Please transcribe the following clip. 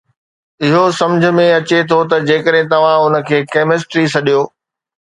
اهو سمجھ ۾ اچي ٿو جيڪڏهن توهان ان کي ڪيمسٽري سڏيو